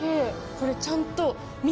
これちゃんと。